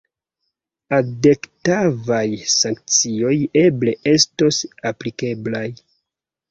Adekvataj sankcioj eble estos aplikeblaj.